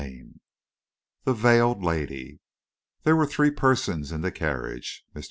CHAPTER XIV THE VEILED LADY There were three persons in the carriage. Mr.